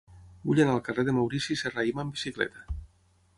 Vull anar al carrer de Maurici Serrahima amb bicicleta.